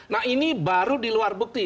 nah ini baru di luar bukti